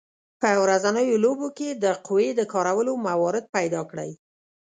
په ورځنیو لوبو کې د قوې د کارولو موارد پیداکړئ.